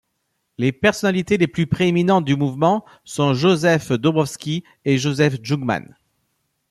Les personnalités les plus prééminentes du mouvement sont Josef Dobrovský et Josef Jungmann.